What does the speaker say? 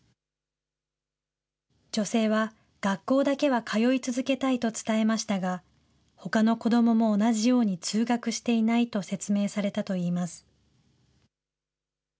女性は学校だけは通い続けたいと伝えましたが、ほかの子どもも同じように通学していないと説明されたといいます。